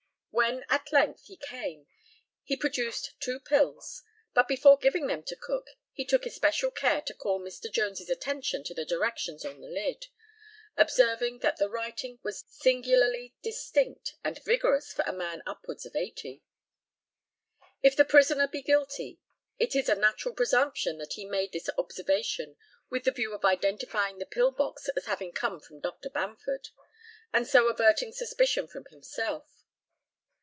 When, at length, he came, he produced two pills, but before giving them to Cook he took especial care to call Mr. Jones's attention to the directions on the lid, observing that the writing was singularly distinct and vigorous for a man upwards of eighty. If the prisoner be guilty, it is a natural presumption that he made this observation with the view of identifying the pill box as having come from Dr. Bamford, and so averting suspicion from himself.